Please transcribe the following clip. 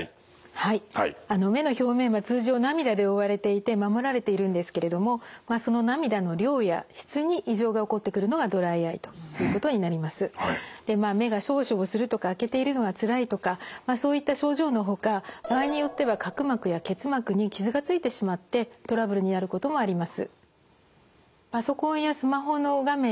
はい目の表面は通常涙で覆われていて守られているんですけれども目がしょぼしょぼするとか開けているのがつらいとかそういった症状のほか場合によっては角膜や結膜に傷がついてしまってトラブルになることもあります。